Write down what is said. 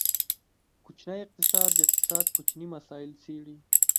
کوچنی اقتصاد، د اقتصاد کوچني مسایل څیړي.